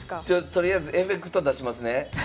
とりあえずエフェクト出しますね。